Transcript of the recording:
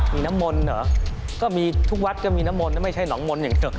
มีน้ำมนต์เหรอก็มีทุกวัดก็มีน้ำมนต์ไม่ใช่หนองมนต์อย่างเดียว